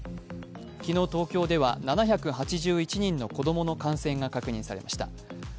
昨日東京では７８１人の子供の感染が確認されました。